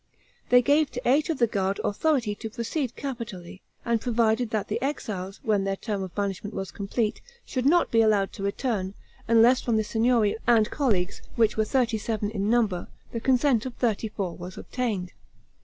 They gave to eight of the guard authority to proceed capitally, and provided that the exiles, when their term of banishment was complete, should not be allowed to return, unless from the Signory and Colleagues, which were thirty seven in number, the consent of thirty four was obtained.